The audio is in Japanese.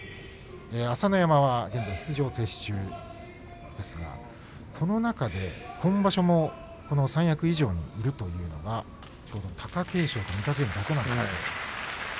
朝乃山は現在、出場停止中ですがこの中で今場所も三役以上にいるというのは貴景勝と御嶽海だけなんですね。